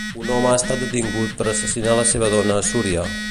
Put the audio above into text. Un home ha estat detingut per assassinar la seva dona a Súria.